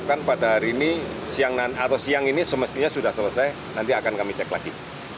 bahkan pada hari ini siang atau siang ini semestinya sudah selesai nanti akan kami cek lagi